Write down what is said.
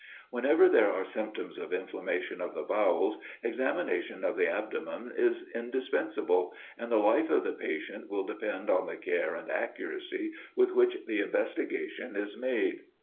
Whenever there are symptoms of inflammation of the bowels, examination of the abdomen is indispensable: and the life of the patient will depend on the care and accuracy with which the investigation is made.